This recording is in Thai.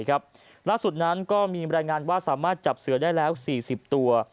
ล่าสุดนั้นก็มีรายงานว่าสามารถจับเสือได้แล้ว๔๐ตัว